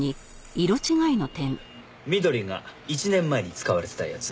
緑が１年前に使われてたやつ。